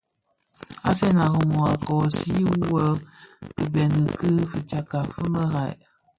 Asen a Rimoh a koosi yü bi kibeňi ki fitsakka fi merad.